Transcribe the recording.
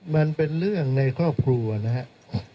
มันเป็นเรื่องในครอบครัวนะครับ